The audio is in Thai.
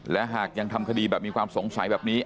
และหากยังทำคดีแบบมีความสงสัยแบบนี้